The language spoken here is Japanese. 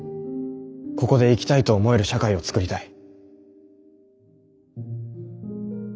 ここで生きたいと思える社会を創りたい。